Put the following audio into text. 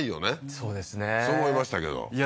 そうですねそう思いましたけどいや